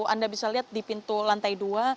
anda bisa lihat di pintu lantai dua